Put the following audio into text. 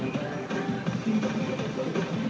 มันถูกน่ะ